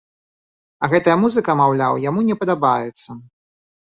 А гэтая музыка, маўляў, яму не падабаецца.